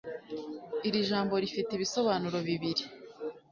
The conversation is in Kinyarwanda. Iri jambo rifite ibisobanuro bibiri